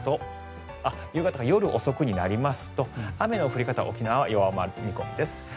夜遅くになりますと雨の降り方、沖縄は弱まる見込みです。